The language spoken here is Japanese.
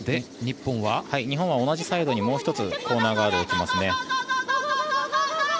日本は同じサイドにもう１つコーナーガードを置きますね。